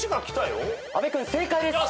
阿部君正解です。